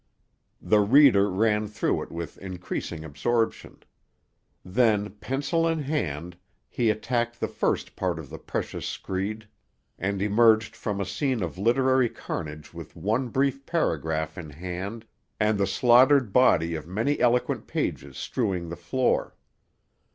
The reader ran through it with increasing absorption. Then, pencil in hand, he attacked the first part of the precious screed and emerged from a scene of literary carnage with one brief paragraph in hand and the slaughtered bodies of many eloquent pages strewing the floor.